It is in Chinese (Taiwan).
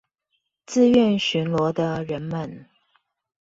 自願巡邏的人們